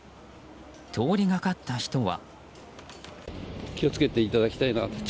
通りがかった人は。